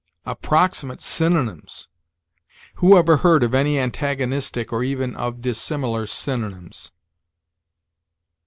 Approximate synonyms!! Who ever heard of any antagonistic or even of dissimilar synonyms?